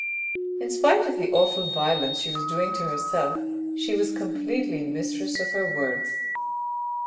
In spite of the awful violence she was doing to herself she was completely mistress of her words.